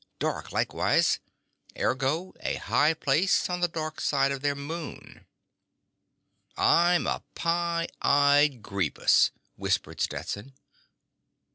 Dark, likewise. Ergo: a high place on the darkside of their moon." "I'm a pie eyed greepus," whispered Stetson.